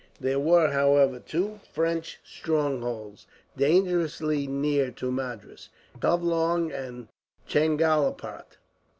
There were, however, two French strongholds dangerously near to Madras, Covelong and Chengalpatt.